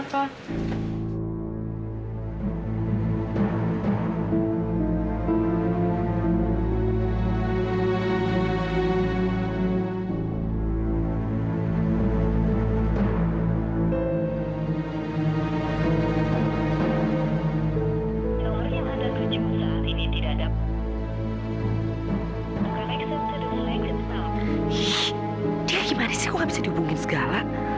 sial dia lagi mana sih kok gak bisa dihubungin segala